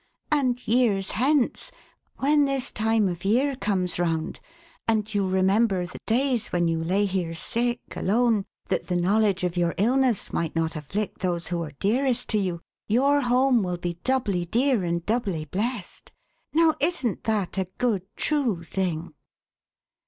And years hence, when this time of year comes round, and you remember the days when you lay here sick, alone, that the knowledge of your illness might not afflict those who are dearest to you, your home will be doubly dear and doubly blest. Now, isn't that a good, true thing?"